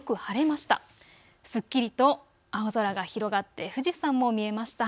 すっきりと青空が広がって富士山も見えました。